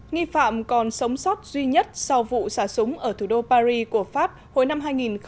nghi phạm còn sống sót duy nhất sau vụ xả súng ở thủ đô paris của pháp hồi năm hai nghìn một mươi